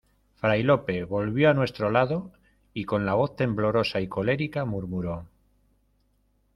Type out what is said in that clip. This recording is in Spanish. fray Lope volvió a nuestro lado, y con la voz temblorosa y colérica murmuró: